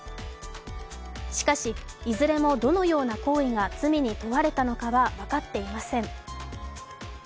しかし、いずれも、どのような行為が罪に問われたのかは分かっていません。